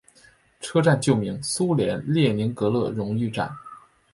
车站旧名苏联列宁格勒荣誉站。